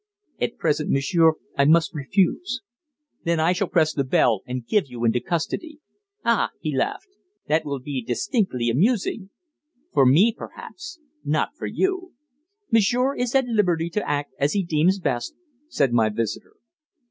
"At present, monsieur, I must refuse." "Then I shall press the bell, and give you into custody." "Ah!" he laughed, "that will be distinctly amusing." "For me, perhaps not for you." "Monsieur is at liberty to act as he deems best," said my visitor.